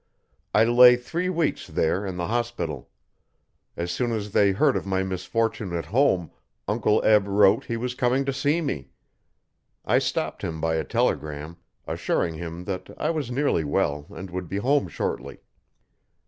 I lay three weeks there in the hospital. As soon as they heard of my misfortune at home Uncle Eb wrote he was coming to see me. I stopped him by a telegram, assuring him that I was nearly well and would be home shortly.